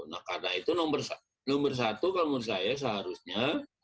nah karena itu nomor satu kalau menurut saya seharusnya